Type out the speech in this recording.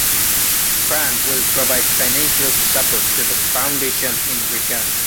Pran will provide financial support to the Foundation in return.